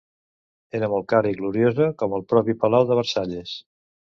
Era molt cara i gloriosa, com el propi Palau de Versalles.